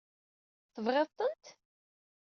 Tebɣiḍ-tent?